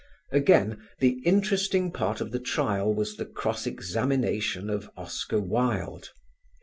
Again, the interesting part of the trial was the cross examination of Oscar Wilde.